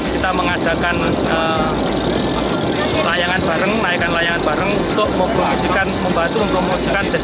kita mengadakan layangan bareng naikan layangan bareng untuk mempromosikan membantu mempromosikan destinasi wisata pantai gelodo